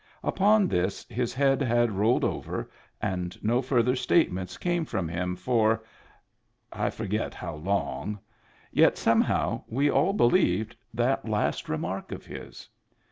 Upon this his head had rolled over, and no further statements came from him for — I forget how long. Yet somehow, we all believed that last remark of his.